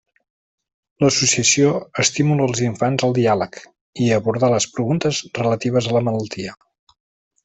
L'associació estimula els infants al diàleg i a abordar les preguntes relatives a la malaltia.